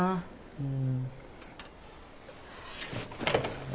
うん？